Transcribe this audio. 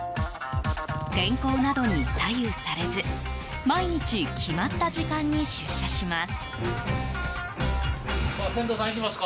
天候などに左右されず毎日決まった時間に出社します。